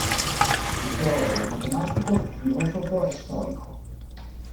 Fu teologo, matematico, filosofo e storico.